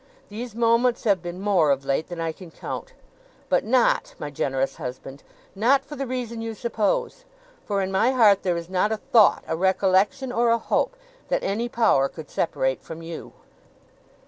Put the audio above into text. These moments have been more, of late, than I can count; but not my generous husband! not for the reason you suppose; for in my heart there is not a thought, a recollection, or a hope, that any power could separate from you!